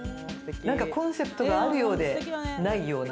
コンセプトがあるようでないような。